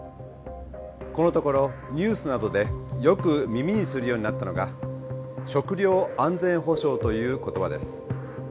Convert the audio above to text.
このところニュースなどでよく耳にするようになったのが食料安全保障という言葉です。